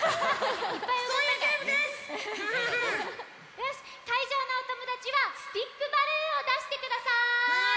よしかいじょうのおともだちはスティックバルーンをだしてください！